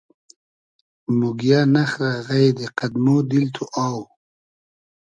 موگیۂ نئخرۂ غݷدی قئد مۉ دیل تو اۆ